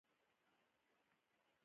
دوکاندار د پیرودونکي پوښتنه ځواب کړه.